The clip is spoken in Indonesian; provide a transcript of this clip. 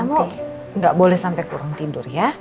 kamu nggak boleh sampai kurang tidur ya